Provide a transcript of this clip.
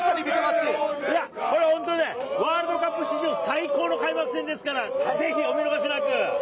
これ本当ね、ワールドカップ史上最高の開幕戦ですから、ぜひ、お見逃しなく。